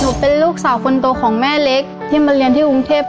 เป็นลูกสาวคนโตของแม่เล็กที่มาเรียนที่กรุงเทพ